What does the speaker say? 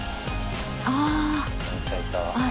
ああ。